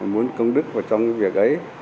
muốn công đức vào trong cái việc ấy